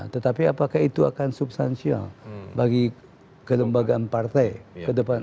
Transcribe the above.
tetapi apakah itu akan substansial bagi kelembagaan partai ke depan